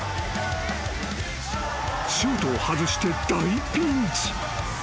［シュートを外して大ピンチ］